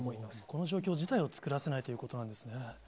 この状況自体を作らせないということなんですね。